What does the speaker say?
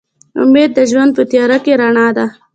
امید د ژوند په تیاره کې رڼا ده.